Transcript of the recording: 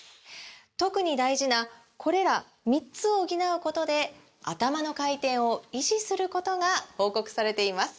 特に大事なこれら３つを補うことでアタマの回転を維持することが報告されています